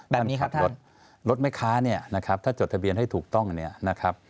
แบบนี้ครับรถรถแม่ค้าเนี่ยนะครับถ้าจดทะเบียนให้ถูกต้องเนี่ยนะครับ